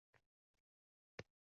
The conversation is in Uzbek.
To’xtadilar, bir nafas